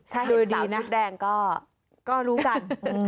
ถ้าเห็นสาวชุดแดงก็ก็รู้กัน